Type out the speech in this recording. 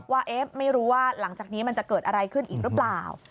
ว่าไม่รู้ว่าหลังจากนี้มันจะเกิดอะไรขึ้นอีกหรือเปล่า